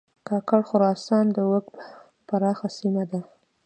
کاکړ خراسان د ږوب پراخه سیمه ده